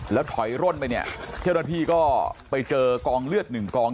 แล้วถอยร่นไปเนี่ยเจ้าหน้าที่ก็ไปเจอกองเลือดหนึ่งกอง